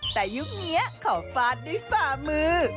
แต่ยุคนี้ขอฟาดด้วยฝ่ามือ